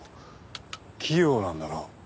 器用なんだな。